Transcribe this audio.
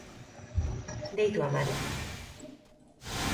Deitu amari